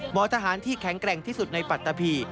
ทหารที่แข็งแกร่งที่สุดในปัตตะพี